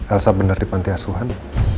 elsa bener di pantai asuhan